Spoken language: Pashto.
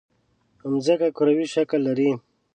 مځکه کروي شکل لري.